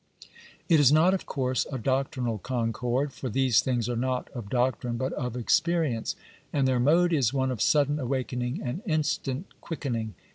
It is not of course a doctrinal concord, for these things are not of doctrine but of experience, and their mode is one of sudden awakening and instant quickening.